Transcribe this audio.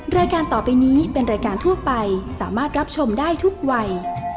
รายการต่อไปนี้เป็นรายการทั่วไปสามารถรับชมได้ทุกวัย